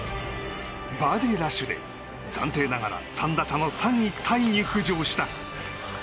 バーディーラッシュで暫定ながら３打差の３位タイに浮上した。